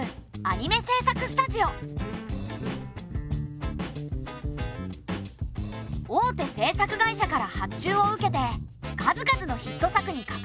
大手制作会社から発注を受けて数々のヒット作に関わっている。